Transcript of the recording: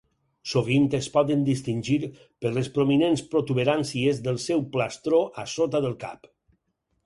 Sovint es poden distingir per les prominents protuberàncies del seu plastró a sota del cap.